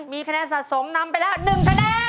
มีคะแนนสะสมนำไปแล้ว๑คะแนน